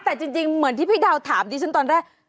แต่จริงเหมือนที่พี่ดาวถามดิฉันตอนแรก